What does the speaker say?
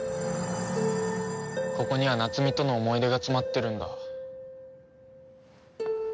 ここには夏美との思い出が詰まってるんだ。